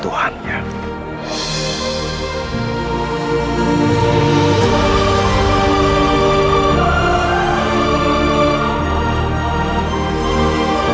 tidak ada yang bisa diberi